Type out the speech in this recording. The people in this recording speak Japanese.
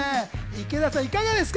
池田さん、いかがですか？